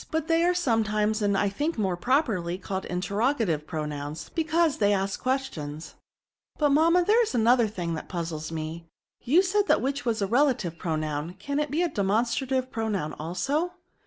But they are sometimes, and I think more properly, called * interroga tive' pronouns ; because they ask questions.'* *^ But, manuna, there is another thing that puzzles me ; you said that which was a re lative pronoun, can it be a demonstrative pronoun also